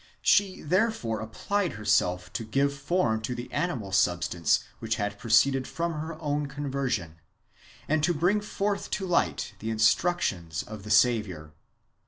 She therefore applied her self to give form to the animal substance which had pro ceeded from her own conversion, and to bring forth to light the instructions of the Saviour.